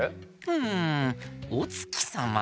うんおつきさま？